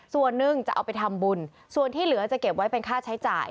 ส่วนหนึ่งจะเอาไปทำบุญส่วนที่เหลือจะเก็บไว้เป็นค่าใช้จ่าย